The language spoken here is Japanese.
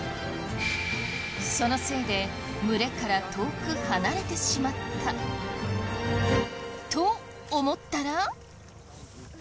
そのせいで群れから遠く離れてしまった。と思ったら。